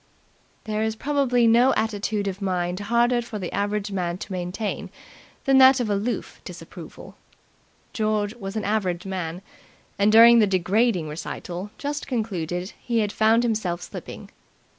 There is probably no attitude of mind harder for the average man to maintain than that of aloof disapproval. George was an average man, and during the degrading recital just concluded he had found himself slipping.